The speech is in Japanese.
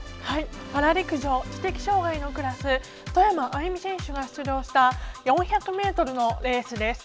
パラ陸上知的障がいのクラスの外山愛美選手が出場した４００ｍのレースです。